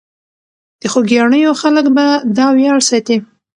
د خوګیاڼیو خلک به دا ویاړ ساتي.